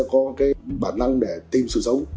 có cái bản năng để tìm sự sống